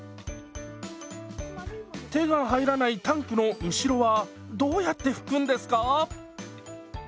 手が入らないタンクの後ろはどうやって拭くんですか？